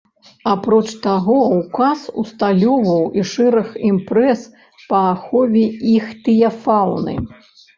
Апроч таго ўказ усталёўваў і шэраг імпрэз па ахове іхтыяфауны.